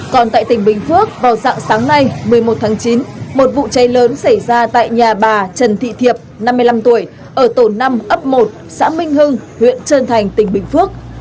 còn tại tỉnh bình phước vào dạng sáng nay một mươi một tháng chín một vụ cháy lớn xảy ra tại nhà bà trần thị thiệp năm mươi năm tuổi ở tổ năm ấp một xã minh hưng huyện trơn thành tỉnh bình phước